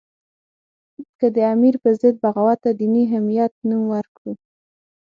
که د امیر په ضد بغاوت ته دیني حمیت نوم ورکړو.